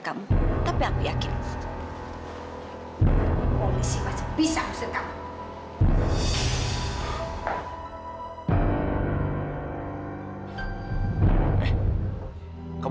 aku hanya mau ketemu rizky